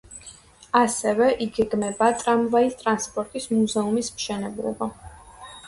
ასევე იგეგმება ტრამვაის ტრანსპორტის მუზეუმის მშენებლობა.